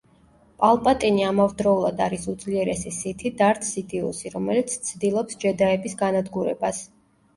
პალპატინი ამავდროულად არის უძლიერესი სითი დართ სიდიუსი, რომელიც ცდილობს ჯედაების განადგურებას.